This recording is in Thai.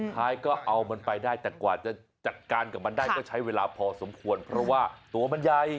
ท้ายก็เอามันไปได้แต่กว่าจะจัดการกับมันได้ก็ใช้เวลาพอสมควรเพราะว่าตัวมันใหญ่